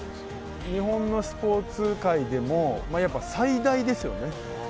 日本のスポーツ界でも最大ですよね。